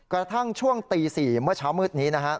กระทั่งช่วงตี๔เมื่อเช้ามืดนี้นะฮะ